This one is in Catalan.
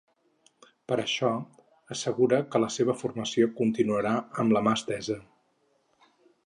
Per això, assegura que la seva formació continuarà amb la mà estesa.